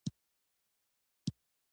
ستا پېژندنه څه ده؟